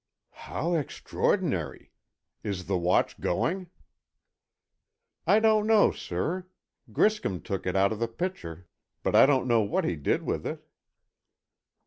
"How extraordinary. Is the watch going?" "I don't know, sir. Griscom took it out of the pitcher, but I don't know what he did with it."